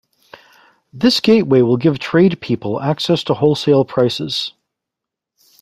This gateway will give trade people access to wholesale prices.